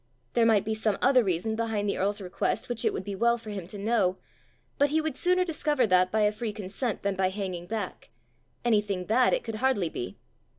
There might be some other reason behind the earl's request which it would be well for him to know; but he would sooner discover that by a free consent than by hanging back: anything bad it could hardly be!